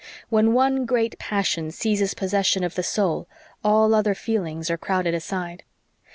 When one great passion seizes possession of the soul all other feelings are crowded aside.